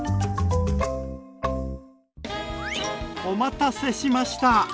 お待たせしました！